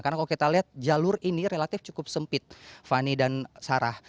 karena kalau kita lihat jalur ini relatif cukup sempit fani dan sarah